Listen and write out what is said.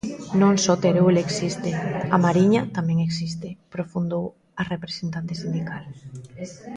"Non só Teruel existe; A Mariña tamén existe", profundou a representante sindical.